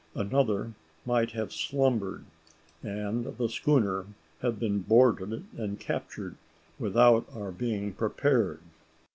Another might have slumbered, and the schooner have been boarded and captured without our being prepared.